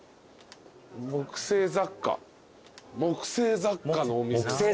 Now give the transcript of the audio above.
木製雑貨木製雑貨のお店。